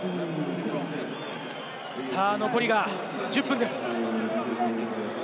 残りが１０分です。